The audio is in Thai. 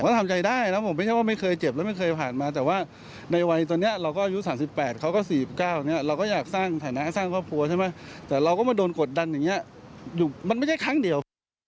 ก็ทำใจได้นะผมไม่ใช่ว่าไม่เคยเจ็บแล้วไม่เคยผ่านมาแต่ว่าในวัยตอนนี้เราก็อายุ๓๘เขาก็๔๙เนี่ยเราก็อยากสร้างฐานะสร้างครอบครัวใช่ไหมแต่เราก็มาโดนกดดันอย่างนี้มันไม่ใช่ครั้งเดียว